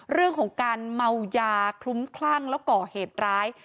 เรื่องของการเมายาคลุ้มคลั่งแล้วก่อเหตุร้าย